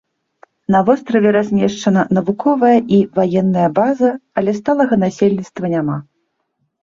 На востраве размешчана навуковая і ваенная база, але сталага насельніцтва няма.